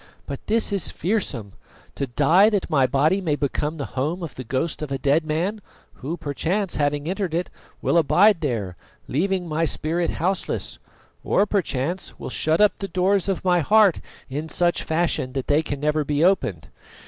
But this is fearsome, to die that my body may become the home of the ghost of a dead man, who perchance, having entered it, will abide there, leaving my spirit houseless, or perchance will shut up the doors of my heart in such fashion that they never can be opened.